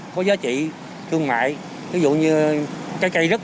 và đối tượng được đi học trở lại